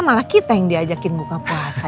malah kita yang diajakin buka puasa